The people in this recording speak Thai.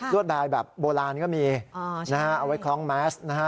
ลวดลายแบบโบราณก็มีเอาไว้คล้องแมส